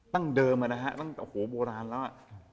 ตั้งเดิมอะนะฮะโอ้โหโบราณแล้วอะ